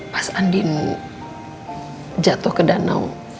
pas andin jatuh ke danau